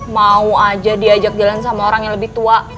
mau aja diajak jalan sama orang yang lebih tua